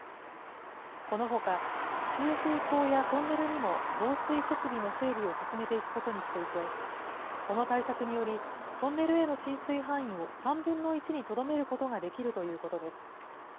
このほか通風口やトンネルにも防水設備の整備を進めていくことにしていて、この対策により、トンネルへの浸水範囲を３分の１にとどめることができるということです。